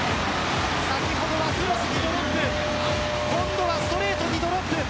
先ほどはクロスにドロップ今度はストレートにドロップ。